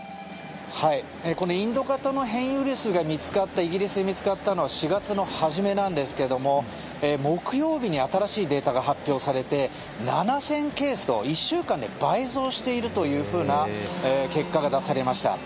このインド型の変異ウイルスがイギリスで見つかったのは４月の初めなんですけども木曜日に新しいデータが発表されて７０００ケースと、１週間で倍増しているというふうな結果が出されました。